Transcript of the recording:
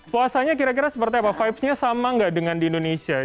puasanya kira kira seperti apa vibesnya sama nggak dengan di indonesia